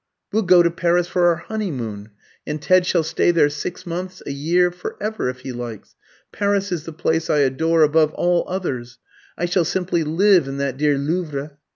We'll go to Paris for our honeymoon, and Ted shall stay there six months a year for ever, if he likes. Paris is the place I adore above all others. I shall simply live in that dear Louvre!"